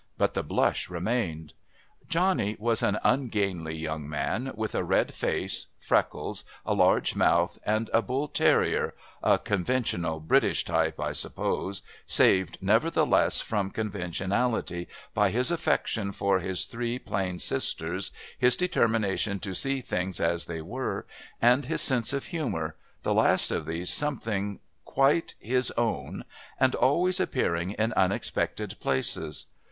But the blush remained. Johnny was an ungainly young man, with a red face, freckles, a large mouth, and a bull terrier a conventional British type, I suppose, saved, nevertheless, from conventionality by his affection for his three plain sisters, his determination to see things as they were, and his sense of humour, the last of these something quite his own, and always appearing in unexpected places.